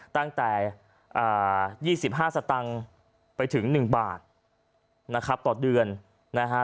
ตั้งแต่๒๕สตางค์ไปถึง๑บาทนะครับต่อเดือนนะฮะ